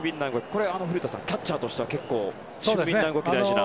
これ、古田さんキャッチャーとしては俊敏な動きで。